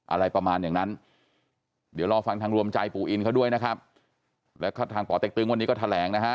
อะไรประมาณอย่างนั้นเดี๋ยวรอฟังทางรวมใจปู่อินเขาด้วยนะครับแล้วก็ทางป่อเต็กตึงวันนี้ก็แถลงนะฮะ